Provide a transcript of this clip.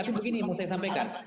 tapi begini mau saya sampaikan